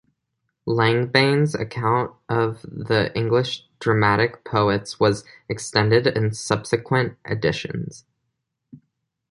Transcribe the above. Langbaine's "Account of the English Dramatic Poets" was extended in subsequent editions.